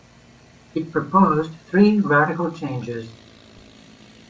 He proposed three radical changes.